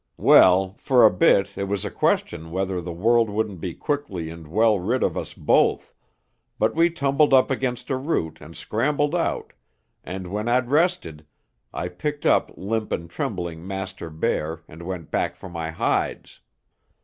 "Well, for a bit it was a question whether the world wouldn't be quickly and well rid of us both, but we tumbled up against a root and scrambled out, and when I'd rested, I picked up limp and trembling Master Bear and went back for my hides.